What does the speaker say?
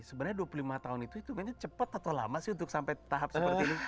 sebenarnya dua puluh lima tahun itu itu mainnya cepat atau lama sih untuk sampai tahap seperti ini